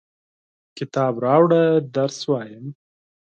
کتاب راوړه ، درس وایم!